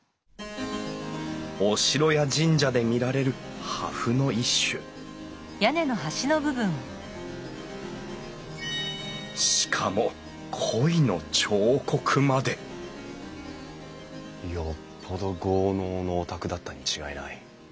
お城や神社で見られる破風の一種しかも鯉の彫刻までよっぽど豪農のお宅だったに違いない。